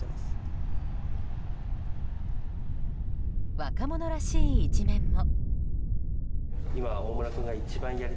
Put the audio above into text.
若者らしい一面も。